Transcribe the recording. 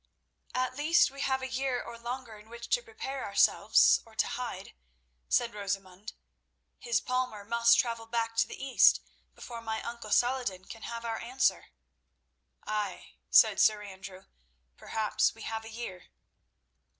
"At least we have a year or longer in which to prepare ourselves, or to hide," said Rosamund. "His palmer must travel back to the East before my uncle Saladin can have our answer." "Ay," said Sir Andrew; "perhaps we have a year."